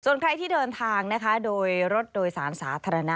ส่วนใครที่เดินทางนะคะโดยรถโดยสารสาธารณะ